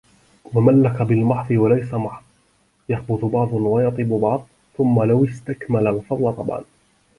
مَنْ لَك بِالْمَحْضِ وَلَيْسَ مَحْضٌ يَخْبُثُ بَعْضٌ وَيَطِيبُ بَعْضُ ثُمَّ لَوْ اسْتَكْمَلَ الْفَضْلَ طَبْعًا